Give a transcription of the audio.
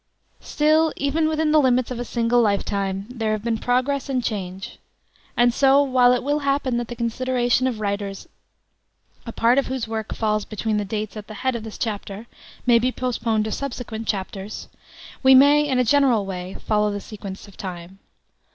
Still, even within the limits of a single life time, there have been progress and change. And so, while it will happen that the consideration of writers a part of whose work falls between the dates at the head of this chapter may be postponed to subsequent chapters, we may in a general way follow the sequence of time.